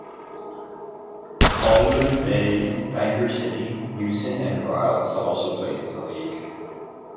Colwyn Bay, Bangor City, Newtown, and Rhyl have also played in the league.